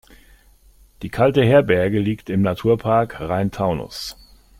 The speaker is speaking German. Die "Kalte Herberge" liegt im Naturpark Rhein-Taunus.